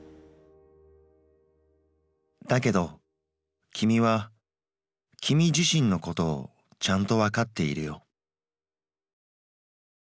だけどきみはきみ自身のことをちゃんと分かっているよ。